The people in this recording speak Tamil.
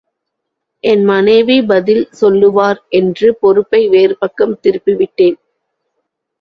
என் மனேவி பதில் சொல்லுவார் என்று பொறுப்பை வேறு பக்கம் திருப்பி விட்டேன்.